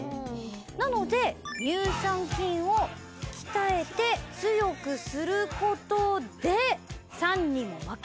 なので乳酸菌を鍛えて強くすることで。